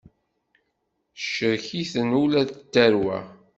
Tecrek-iten ula d tarwa.